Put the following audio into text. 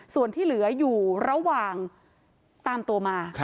ส่วนที่เหลืออยู่ระหว่างตามตัวมา